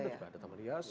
ada juga ada tanaman hias